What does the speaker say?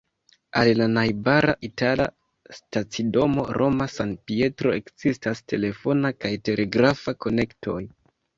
Al la najbara itala stacidomo Roma-San-Pietro ekzistas telefona kaj telegrafa konektoj.